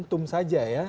untung saja ya